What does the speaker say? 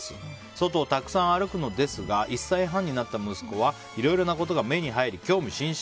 外をたくさん歩くのですが１歳半になった息子はいろいろなことが目に入り興味津々。